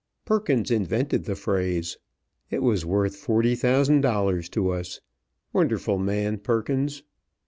Perkins invented the phrase. It was worth forty thousand dollars to us. Wonderful man, Perkins!